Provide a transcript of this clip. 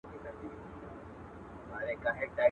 رسنۍ د ټولنې انځور ښکاره کوي